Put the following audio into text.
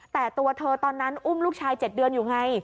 แต่ตัวเธอตอนนั้นอุ้มลูกชาย๗เดือนอยู่ไง